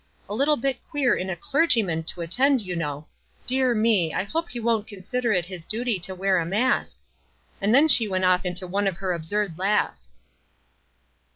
f A little bit queer in a clergyman to attend, you know. Dear me ! I hope he won't consider it his duty . to w T ear a mask.' And then she went off into one of her absurd laughs."